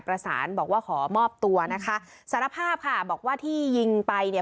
ประสานบอกว่าขอมอบตัวนะคะสารภาพค่ะบอกว่าที่ยิงไปเนี่ย